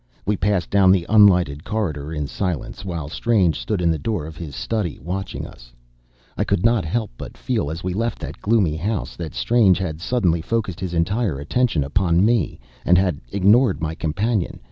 We passed down the unlighted corridor in silence, while Strange stood in the door of his study, watching us. I could not help but feel, as we left that gloomy house, that Strange had suddenly focused his entire attention upon me, and had ignored my companion.